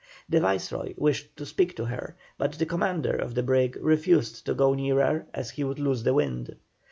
The Viceroy wished to speak her, but the commander of the brig refused to go nearer as he would lose the wind.